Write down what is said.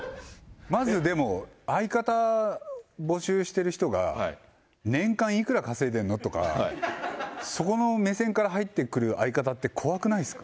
まず、でも、相方、募集してる人が、年間いくら稼いでんのとか、そこの目線から入ってくる相方って、怖くないですか？